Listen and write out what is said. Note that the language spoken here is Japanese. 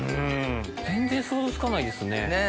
全然想像つかないですね。ねぇ。